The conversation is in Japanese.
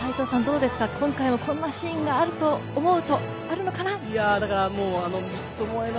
今回はこんなシーンがあると思う、あるのかなというのは？